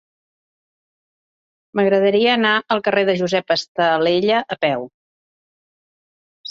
M'agradaria anar al carrer de Josep Estalella a peu.